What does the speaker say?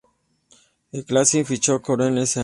The Clash fichó a Conrad ese año.